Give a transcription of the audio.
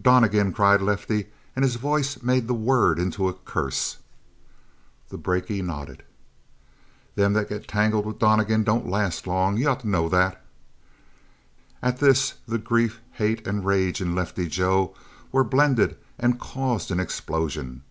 "Donnegan!" cried Lefty, and his voice made the word into a curse. The brakie nodded. "Them that get tangled with Donnegan don't last long. You ought to know that." At this the grief, hate, and rage in Lefty Joe were blended and caused an explosion.